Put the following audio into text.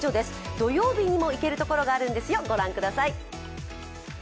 土曜日にも行けるところがあるんですよ、御覧ください。